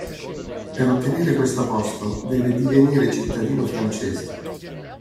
Per ottenere questo posto, deve divenire cittadino francese.